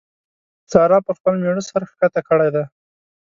سارا پر خپل مېړه سر کښته کړی دی.